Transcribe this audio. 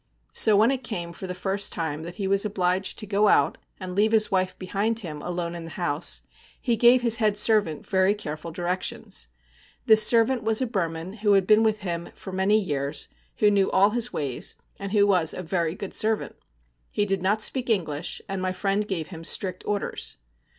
So when it came for the first time that he was obliged to go out and leave his wife behind him alone in the house, he gave his head servant very careful directions. This servant was a Burman who had been with him for many years, who knew all his ways, and who was a very good servant. He did not speak English; and my friend gave him strict orders.